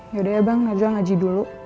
yaudah ya bang nazal ngaji dulu